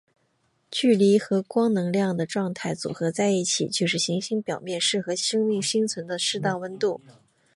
距离和光能量的状态组合在一起就是行星表面适合生命生存的适当温度。